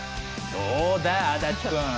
どうだ足立くん？